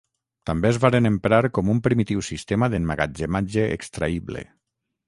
També es varen emprar com un primitiu sistema d'emmagatzematge extraïble.